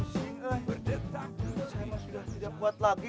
saya mah sudah kuat lagi